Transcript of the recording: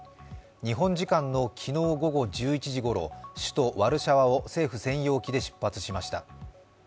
日本時間の昨日午後１１時ごろ首都ワルシャワを政府専用機で出発しました。